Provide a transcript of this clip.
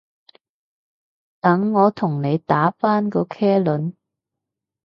等我同你打返個茄輪